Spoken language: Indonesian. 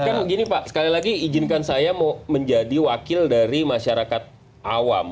tapi kan begini pak sekali lagi izinkan saya mau menjadi wakil dari masyarakat awam